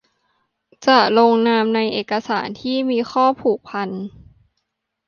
จะลงนามในเอกสารที่มีข้อผูกพัน